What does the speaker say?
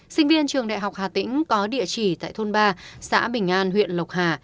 sinh viên trường đại học hà tĩnh có địa chỉ tại thôn ba xã bình an huyện lộc hà